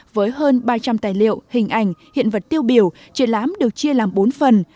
với hơn ba trăm linh tài liệu hình ảnh hiện vật tiêu biểu triển lãm được chia làm bốn phần